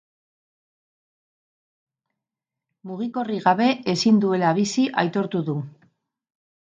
Mugikorrik gabe ezin duela bizi aitortu du.